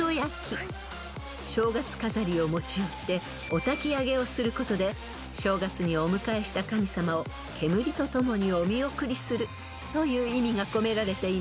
［正月飾りを持ち寄っておたき上げをすることで正月にお迎えした神様を煙と共にお見送りするという意味が込められています］